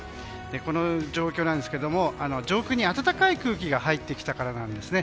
この状況、上空に暖かい空気が入ってきたからなんですね。